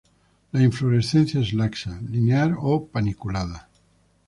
La inflorescencia es laxa, linear o paniculada.